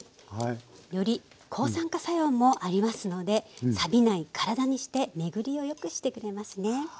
より抗酸化作用もありますのでさびない体にして巡りをよくしてくれますね。